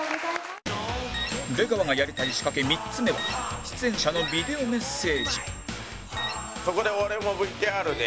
出川がやりたい仕掛け３つ目は出演者のビデオメッセージ